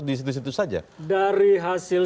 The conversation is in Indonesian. di situ situ saja dari hasil